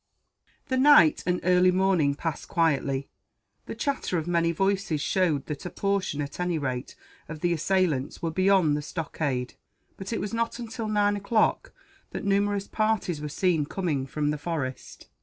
The night and early morning passed quietly. The chatter of many voices showed that a portion, at any rate, of the assailants were beyond the stockade; but it was not until nine o'clock that numerous parties were seen coming from the forest.